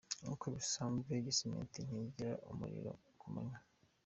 Nkuko bisanzwe Gisimenti ntikigira umuriro kumanywa.